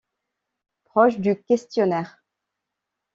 Proche du questionnaire.